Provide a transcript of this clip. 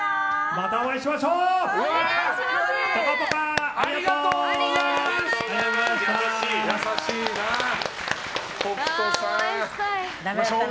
またお会いしましょう！